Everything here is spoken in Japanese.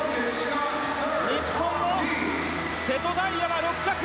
日本の瀬戸大也は６着